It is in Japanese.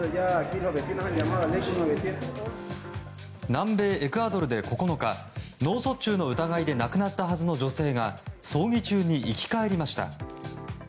南米エクアドルで９日脳卒中の疑いで亡くなったはずの女性が葬儀中に生き返りました。